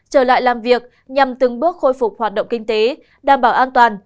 họ sẽ làm việc nhằm từng bước khôi phục hoạt động kinh tế đảm bảo an toàn